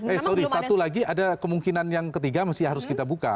eh sorry satu lagi ada kemungkinan yang ketiga masih harus kita buka